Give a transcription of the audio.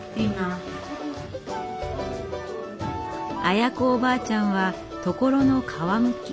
アヤ子おばあちゃんはトコロの皮むき。